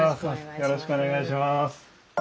よろしくお願いします。